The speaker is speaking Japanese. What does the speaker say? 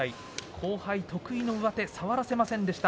後輩得意の上手を触らせませんでした。